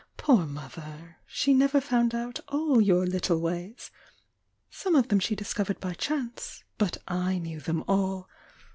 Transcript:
Poor mother! bhe never found out all your little ways!— some of JTm™^^ discovered by chance but / knew them all!